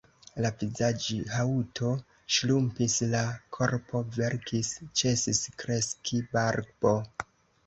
La vizaĝhaŭto ŝrumpis, la korpo velkis, ĉesis kreski barbo.